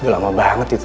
udah lama banget itu